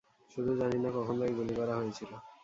শুধু জানি না কখন তাকে গুলি করা হয়েছিল।